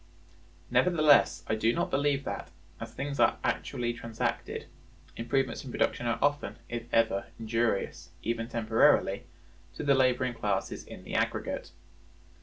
Nevertheless, I do not believe that, as things are actually transacted, improvements in production are often, if ever, injurious, even temporarily, to the laboring classes in the aggregate.